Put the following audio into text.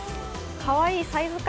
かわいいサイズ感。